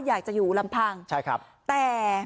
อยากจะอยู่ลำพังใช่ครับแต่